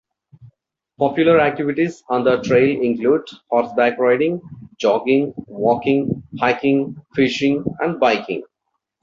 Popular activities on the trail include horseback riding, jogging, walking, hiking, fishing and biking.